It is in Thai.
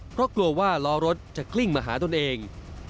เพราะกลัวว่าล้อรถจะกลิ้งมาหาตนเอง